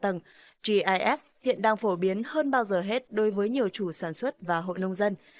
tầng gis hiện đang phổ biến hơn bao giờ hết đối với nhiều chủ sản xuất và hội nông dân